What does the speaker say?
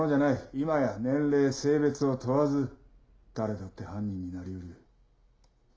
今や年齢性別を問わず誰だって犯人になりうる。